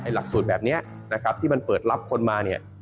หลักสูตรแบบนี้นะครับที่มันเปิดรับคนมาเนี่ย